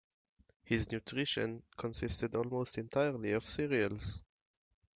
His nutrition consisted almost entirely of cereals.